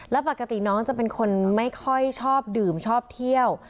แล้วปกติน้องจะเป็นคนไม่ค่อยชอบดื่มชอบเที่ยว